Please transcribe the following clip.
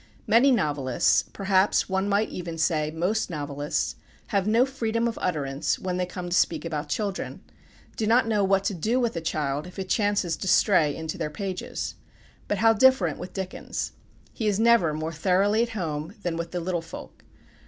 Many novelists, perhaps one might even say, most novelists, have no freedom of utterance when they come to speak about children, do not know what to do with a child if it chances to stray into their pages. But how different with Dickens! He is never more thoroughly at home than with the little folk.